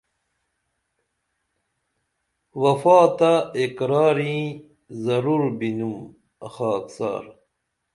وفا تہ اقرارئیں ضرر بِنُم خاکسار